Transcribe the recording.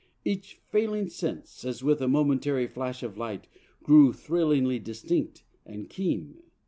Each failing sense As with a momentary flash of light Grew thrillingly distinct and keen.